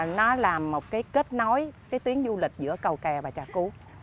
nó là một kết nối tuyến du lịch giữa cầu kè và trà cú